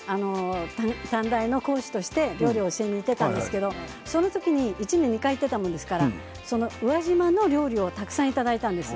短大の講師として料理を教えに行っていたんですがその時に１年に２回行っていたものですから宇和島の料理をたくさんいただいたんです。